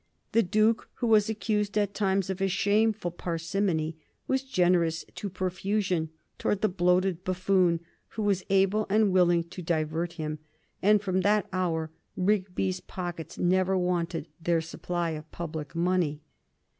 The Duke, who was accused at times of a shameful parsimony, was generous to profusion towards the bloated buffoon who was able and willing to divert him, and from that hour Rigby's pockets never wanted their supply of public money.